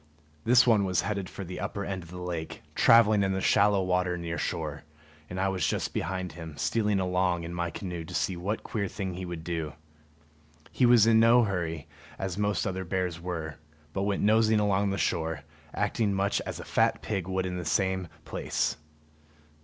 This one was heading for the upper end of the lake, traveling in the shallow water near shore; and I was just behind him, stealing along in my canoe to see what queer thing he would do. He was in no hurry, as most other bears were, but went nosing along shore, acting much as a fat pig would in the same place.